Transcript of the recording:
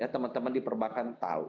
teman teman di perbankan tahu